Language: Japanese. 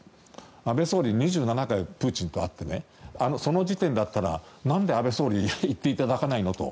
安倍総理、２７回プーチンと会ってその時点だったらなんで安倍総理に行っていただかないのと。